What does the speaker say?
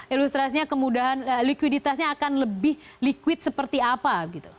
ilustrasinya kemudahan likuiditasnya akan lebih likuid seperti apa